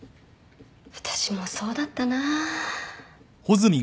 私もそうだったな。